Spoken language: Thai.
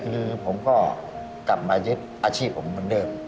คือผมก็กลับมายึดอาชีพผมเหมือนเดิม